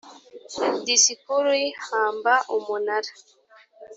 Disikuru y ihamba umunara